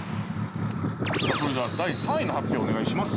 ◆それでは第３位の発表をお願いします。